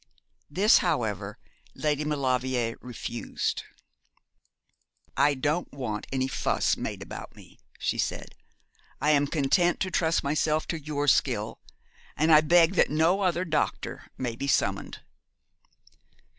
This, however, Lady Maulevrier refused. 'I don't want any fuss made about me,' she said. 'I am content to trust myself to your skill, and I beg that no other doctor may be summoned.'